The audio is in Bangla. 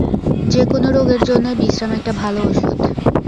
যে-কোনো রোগের জন্যই বিশ্রাম একটা ভাল ওষুধ।